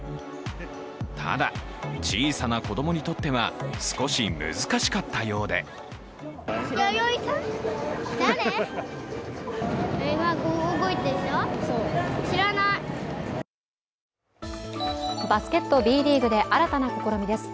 ただ、小さな子供にとっては少し難しかったようでバスケット、Ｂリーグで新たな試みです。